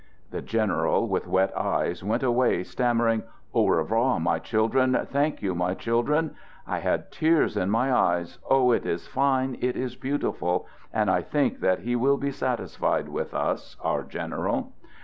The general, with wet eyes, went away stammering: "Au revoir, my children! Thank you, my chil dren!" I had tears in my eyes. Oh! it is fine, it is beautiful! And I think that he will be satis fied with us, our general.